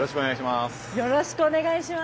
よろしくお願いします。